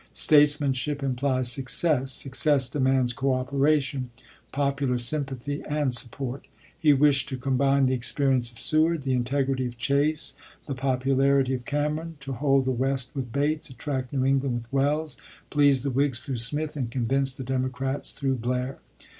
States manship implies success ; success demands cooper ation, popular sympathy, and support. He wished to combine the experience of Seward, the integrity of Chase, the popularity of Cameron ; to hold the West with Bates, attract New England with Welles ; please the Whigs through Smith, and convince the Democrats through Blair.